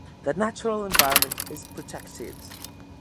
The natural environment is protected.